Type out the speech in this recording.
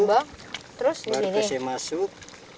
baru kasih masuk